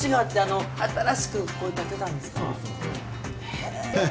へえ！